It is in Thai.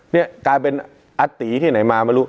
นี่กลายเป็นอาตีที่ไหนมาไม่รู้